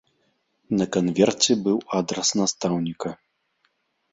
На канверце быў адрас настаўніка.